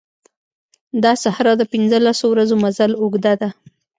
دا صحرا د پنځه لسو ورځو مزل اوږده ده.